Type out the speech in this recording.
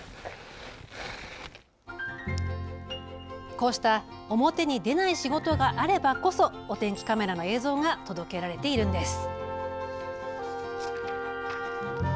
こうした表に出ない仕事があればこそお天気カメラの映像が届けられているのです。